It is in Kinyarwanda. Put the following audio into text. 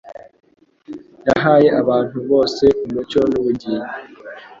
Yahaye abantu bose umucyo n’ubugingo,